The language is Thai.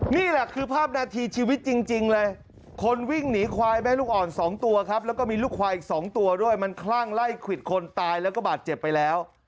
นี่แหละคือภาพนาทีชีวิตจริงเลยคนวิ่งหนีควายแม่ลูกอ่อน๒ตัวครับแล้วก็มีลูกควายอีก๒ตัวด้วยมันคลั่งไล่ควิดคนตายแล้วก็บาดเจ็บไปแล้ว